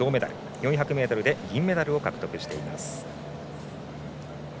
４００ｍで銀メダルを獲得しています。